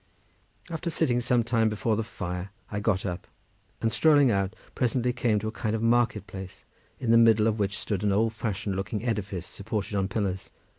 After sitting some time before the fire, I got up, and strolling out, presently came to a kind of market place, in the middle of which stood an old fashioned looking edifice supported on pillars.